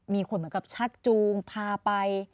มีคนเหมือนกับชักจูงพาไป